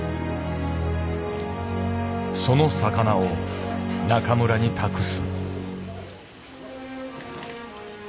その魚を中村に託す。